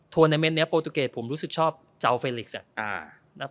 ทวนาเมนต์ในโปรตูเกรดผมรู้สึกชอบเจาเฟลิกซ์อะ